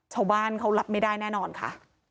ชาวบ้านเขารับไม่ได้แน่นอนค่ะ